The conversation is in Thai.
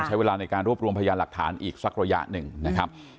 ใช้เวลาในการรวบรวมพยานหลักฐานอีกสักระยะหนึ่งนะครับ